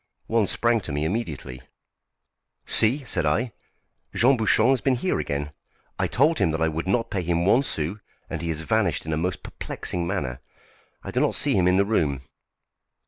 One sprang to me immediately. "See!" said I, "Jean Bouchon has been here again; I told him that I would not pay him one sou, and he has vanished in a most perplexing manner. I do not see him in the room."